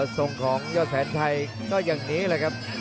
ทรงของยอดแสนชัยก็อย่างนี้แหละครับ